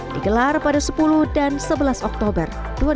digelar pada sepuluh dan sebelas oktober dua ribu dua puluh